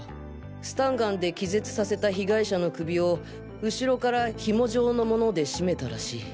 スタンガンで気絶させた被害者の首を後ろからひも状の物で絞めたらしい。